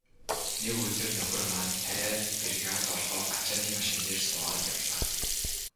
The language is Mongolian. Нэг өдөр нөхөр маань тариа бригад орохоор ачааны машин дээр суугаад явлаа.